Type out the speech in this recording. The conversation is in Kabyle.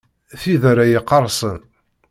Tid ara yeqqerṣen.